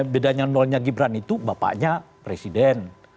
bedanya nolnya gibran itu bapaknya presiden